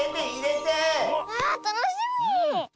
わあたのしみ！